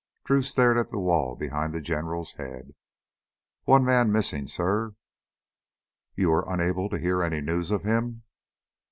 Drew stared at the wall behind the General's head. "One man missin', suh." "You were unable to hear any news of him?"